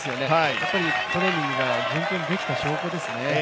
やはりトレーニングが順調にできた証拠です